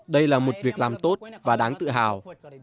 đây là một việc làm tốt và đáng tự hào